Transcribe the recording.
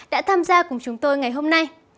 đã tham gia cùng chúng tôi ngày hôm nay